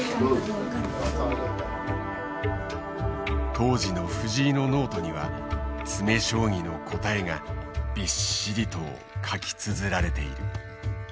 当時の藤井のノートには詰将棋の答えがびっしりと書きつづられている。